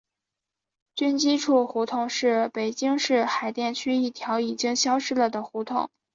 军机处胡同是北京市海淀区一条已经消失了的胡同。